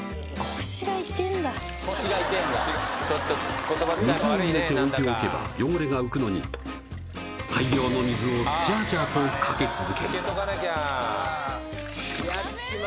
腰が痛えんだ水を入れて置いておけば汚れが浮くのに大量の水をジャージャーとかけ続ける浸けとかなきゃダメ？